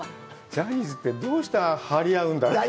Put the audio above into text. ジャニーズって、どうして張り合うんだろう。